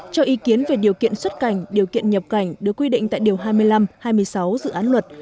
cho ý kiến về điều kiện xuất cảnh điều kiện nhập cảnh được quy định tại điều hai mươi năm hai mươi sáu dự án luật